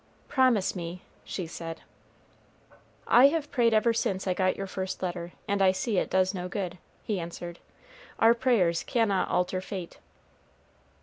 "Promise me," she said. "I have prayed ever since I got your first letter, and I see it does no good," he answered. "Our prayers cannot alter fate."